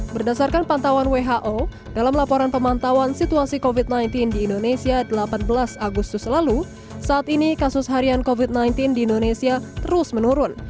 berdasarkan pantauan who dalam laporan pemantauan situasi covid sembilan belas di indonesia delapan belas agustus lalu saat ini kasus harian covid sembilan belas di indonesia terus menurun